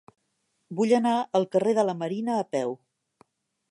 Vull anar al carrer de la Marina a peu.